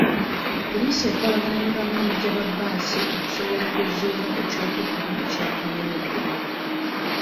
Poliisi okolagana ne bamaneja ba bbaasi okusobola okuzuula eky'okuddamu eky'enkomeredde.